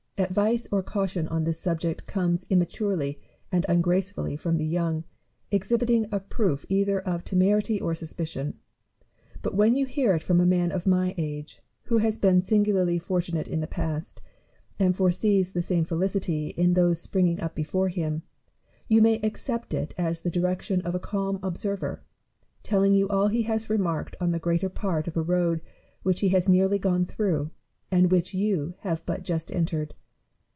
Advice or caution on this subject comes im maturely and ungracefully from the young, exhibiting a proof either of temerity or suspicion ; but when you hear it from a man of my age, who has been singularly fortunate in the past, and foresees the same felicity in those springing up before him, you may accept it as the direction of a calm observer, telling you all he has remarked on the greater part of a road which he has nearly gone through, and which you have but just entered.